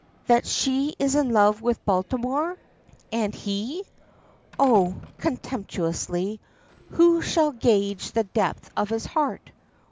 "That she is in love with Baltimore." "And he?" "Oh!" contemptuously; "who shall gauge the depth of his heart?